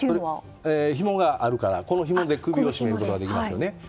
ひもがあるから、このひもで首を絞めることができますよね。